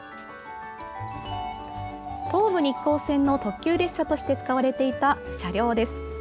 東武日光線の特急列車として使われていた車両です。